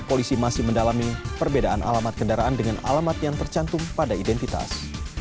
polisi masih mendalami perbedaan alamat kendaraan dengan alamat yang tercantum pada identitas